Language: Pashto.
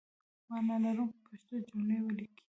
معنی لرونکي پښتو جملې ولیکئ!